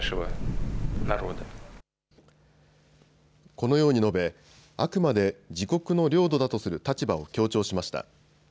このように述べあくまで自国の領土だとする立場を強調しました。